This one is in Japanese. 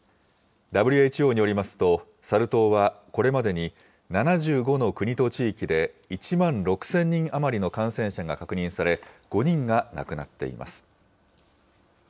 ＷＨＯによりますと、サル痘は、これまでに７５の国と地域で１万６０００人余りの感染者が確認され、５人が亡くなっています。